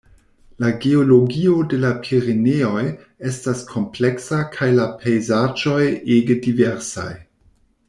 La geologio de la Pireneoj estas kompleksa kaj la pejzaĝoj ege diversaj.